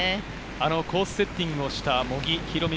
コースセッティングをした茂木宏美